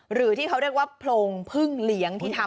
หรือที่เขาเรียกว่าโพรงพึ่งเลี้ยงที่ทำ